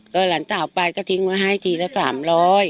ก็หลานสาวไปก็ทิ้งไว้ให้กินทีก็สามร้อย